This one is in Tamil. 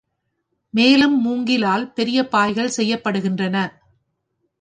மேலும் மூங்கிலால் பெரிய பாய்கள் செய்யப்படுகின்றன.